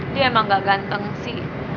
dia emang gak ganteng sih